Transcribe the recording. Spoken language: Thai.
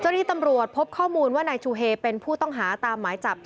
เจ้านี่ตำรวจพบข้อมูลว่านายชูเฮเป็นผู้ต้องก็ตามหมายจับสารเมืองโกเบที่